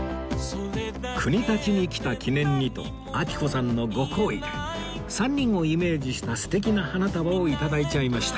国立に来た記念にと章子さんのご厚意で３人をイメージした素敵な花束を頂いちゃいました